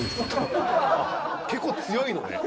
結構強いよね。